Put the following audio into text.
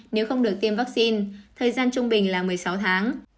nếu không được tiêm vaccine thời gian trung bình là một mươi sáu tháng